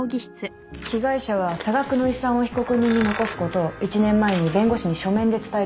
被害者は多額の遺産を被告人に残すことを１年前に弁護士に書面で伝えていました。